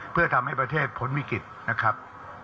เพื่อทำให้ประเทศพ้นวิกฤตนะครับ